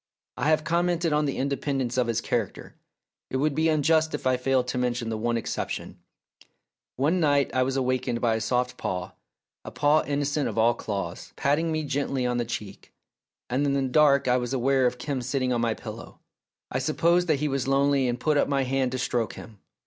I have commented on the independence of his character ; it would be unjust if I failed to mention the one exception. One night I was awakened by a soft paw, a paw innocent of all claws, patting me gently on the cheek, and in the dark I was aware of Kim sitting on my pillow. I supposed that he was lonely and put up my hand to stroke him.